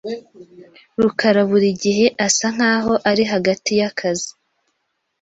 rukaraburi gihe asa nkaho ari hagati yakazi.